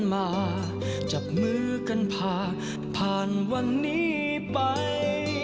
ที่จะฟื้นฟูให้กลับสู่สภาพปกติครับ